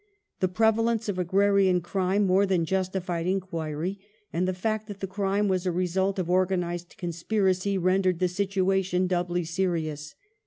The prevalence of agrarian crime more than justified enquiry, and the fact that the crime was a result of organized conspiracy rendered the situa tion doubly serious.